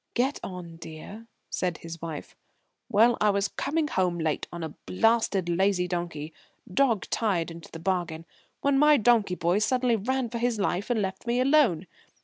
"Get on, dear," said his wife. "Well, I was coming home late on a blasted lazy donkey, dog tired into the bargain, when my donkey boy suddenly ran for his life and left me alone.